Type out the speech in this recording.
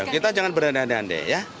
kita jangan beranda anda ya